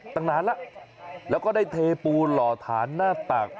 ตั้งนานแล้วแล้วก็ได้เทปูนหล่อฐานหน้าตัก